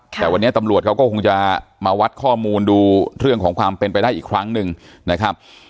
แต่วันนี้ตำรวจเขาก็คงจะมาวัดข้อมูลดูเรื่องของความเป็นไปได้อีกครั้งหนึ่งนะครับ